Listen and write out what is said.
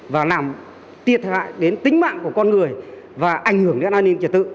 và làm thiệt hại đến tính mạng của con người và ảnh hưởng đến an ninh trật tự